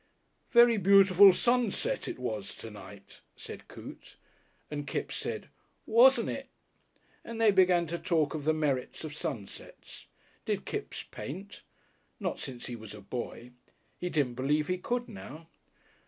"Very beautiful sunset it was to night," said Coote, and Kipps said, "Wasn't it?" and they began to talk of the merits of sunsets. Did Kipps paint? Not since he was a boy. He didn't believe he could now.